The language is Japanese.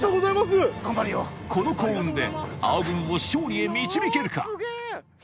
この幸運で青軍を勝利へ導けるか？